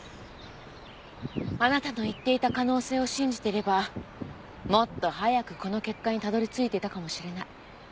あなたの言っていた可能性を信じていればもっと早くこの結果にたどり着いてたかもしれない。